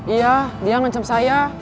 iya dia ngancam saya